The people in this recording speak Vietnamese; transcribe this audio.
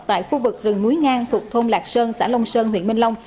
tại khu vực rừng núi ngang thuộc thôn lạc sơn xã long sơn huyện minh long